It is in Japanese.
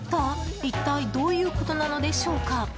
一体どういうことなのでしょうか。